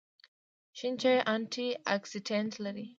شین چای انټي اکسیډنټ لري